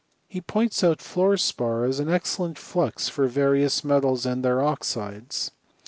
He points out" fluor spar as an excellent flux for various metals an^ their oxides.